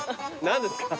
何ですか？